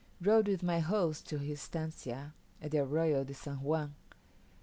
Rode with my host to his estancia, at the Arroyo de San Juan.